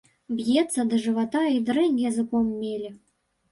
Б'ецца да жывата і дрэнь языком меле.